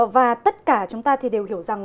và tất cả chúng ta thì đều hiểu rằng